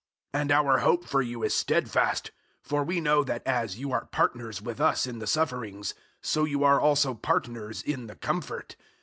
001:007 And our hope for you is stedfast; for we know that as you are partners with us in the sufferings, so you are also partners in the comfort.